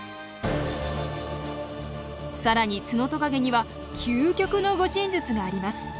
更にツノトカゲには究極の護身術があります。